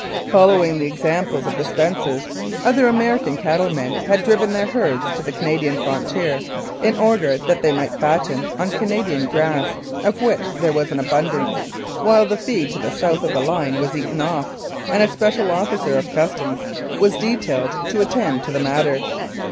Following the example of the Spencers, other Ameri can cattle men had driven their herds to the Canadian frontier in order that they might fatten on Canadian grass, of which there was an abundance, while the feed to the south of the line was eaten off, and a special officer of Customs was detailed to attend to the matter.